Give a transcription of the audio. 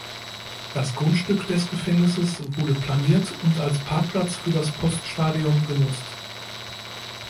Das Grundstück des Gefängnisses wurde planiert und als Parkplatz für das Poststadion genutzt.